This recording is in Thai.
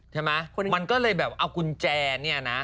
ใช่ไหมมันก็เลยแบบเอากุญแจเนี่ยนะ